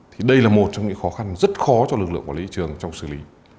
thì đây là một trong những khó khăn rất khó cho lực lượng quản lý trường trong xử lý